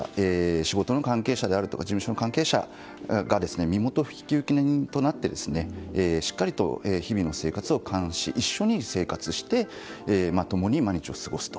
仕事の関係者であるとか事務所の関係者が身元引受人となってしっかり日々の生活を監視し一緒に生活して共に毎日を過ごすと。